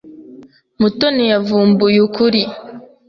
Mutoni yavumbuye ukuri.